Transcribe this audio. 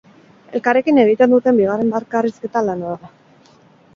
Elkarrekin egiten duten bigarren bakarrizketa lana da.